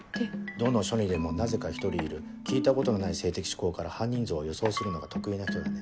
どの署にでもなぜか１人いる聞いたことのない性的嗜好から犯人像を予想するのが得意な人だね。